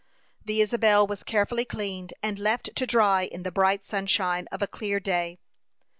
The Isabel was carefully cleaned, and left to dry in the bright sunshine of a clear day.